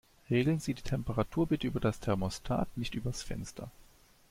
Regeln Sie die Temperatur bitte über das Thermostat, nicht übers Fenster.